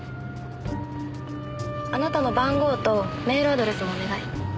あなたの番号とメールアドレスもお願い。